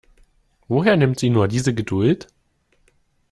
Woher nimmt sie nur diese Geduld?